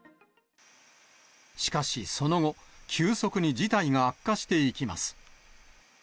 しかしその後、急速に事態が悪化していきます。